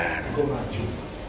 ini adalah seragam sd